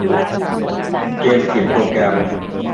เกมเขียนโปรแกรม